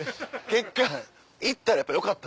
結果行ったらやっぱよかったの？